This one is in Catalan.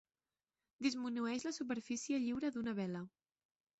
Disminueix la superfície lliure d'una vela.